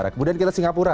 kemudian kita singapura